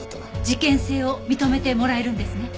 事件性を認めてもらえるんですね？